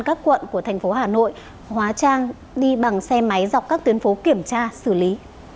các quận của thành phố hà nội hóa trang đi bằng xe máy dọc các tuyến phố kiểm tra xử lý